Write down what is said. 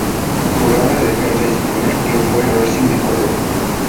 Jugaba de defensa y su primer club fue el Racing de Córdoba.